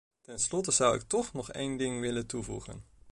Tenslotte zou ik toch nog één ding willen toevoegen.